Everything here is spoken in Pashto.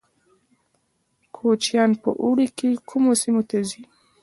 کوچیان په اوړي کې کومو سیمو ته ځي؟